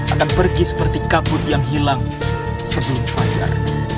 akan pergi seperti kabut yang hilang sebelum fajar